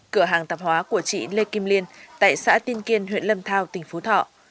cửa hàng tạp hóa của chị lê kim liên tại xã tiên kiên huyện lâm thao tỉnh phú thọ